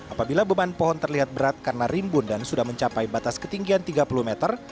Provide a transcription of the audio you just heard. apabila beban pohon terlihat berat karena rimbun dan sudah mencapai batas ketinggian tiga puluh meter